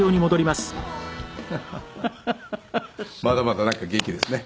まだまだなんか元気ですね。